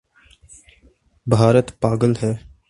بھارت پاگل ہے